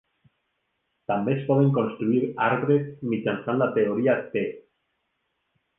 També es poden construir arbres mitjançant la teoria T.